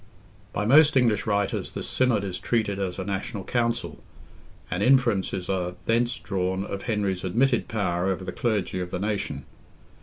By most English writers this synod is treated as a National Council, and inferences are thence drawn of Henry's admitted power over the clergy of the nation.